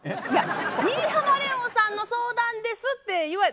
いや「新浜レオンさんの相談です」って。